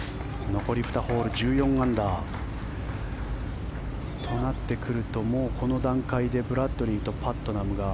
残り２ホール、１４アンダー。となってくると、もうこの段階でブラッドリーとパットナムが。